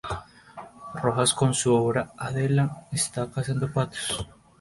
Rojas con su obra "Adela está cazando patos".